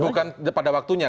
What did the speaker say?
bukan pada waktunya